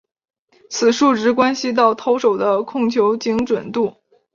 此数值关系到投手的控球精准度。